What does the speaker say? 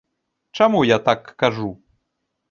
Чаму я так кажу?